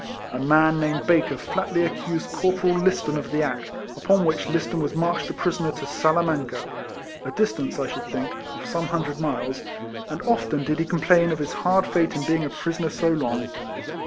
A man named Baker flatly accused Corporal Liston of the act ; upon which Liston was marched a prisoner to Salamanca (a distance, I should think, of some hundred miles) ; and often did he complain of his hard fate in being a prisoner so long.